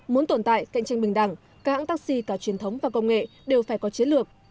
muốn tồn tại cạnh tranh bình đẳng các hãng taxi cả truyền thống và công nghệ đều phải có chiến lược